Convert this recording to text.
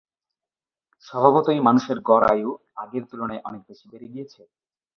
স্বভাবতই মানুষের গড় আয়ু আগের তুলনায় অনেক বেশি বেড়ে গিয়েছে।